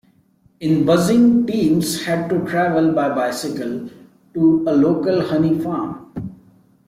In Buzzing, teams had to travel by bicycle to a local honey farm.